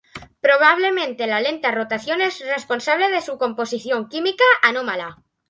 Probablemente la lenta rotación es responsable de su composición química anómala.